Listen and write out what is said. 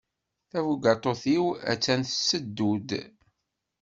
Tabugaṭut-iw attan tetteddu-d.